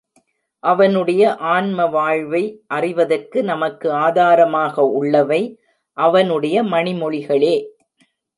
அவனுடைய ஆன்ம வாழ்வை அறிவதற்கு நமக்கு ஆதாரமாக உள்ளவை அவனுடைய மணிமொழிகளே.